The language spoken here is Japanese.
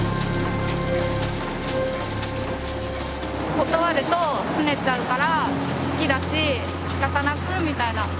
断るとすねちゃうから好きだししかたなくみたいな。